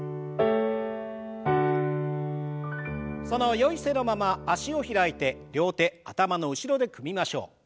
そのよい姿勢のまま脚を開いて両手頭の後ろで組みましょう。